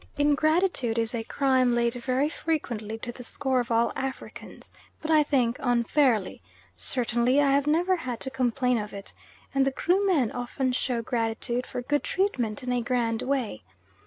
Ingratitude is a crime laid very frequently to the score of all Africans, but I think unfairly; certainly I have never had to complain of it, and the Krumen often show gratitude for good treatment in a grand way.